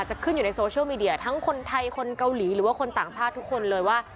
จะขึ้นอยู่ในโซเชียลมีเดียทั้งคนไทยคนเกาหลีหรือว่าคนต่างชาติทุกคนเลยว่า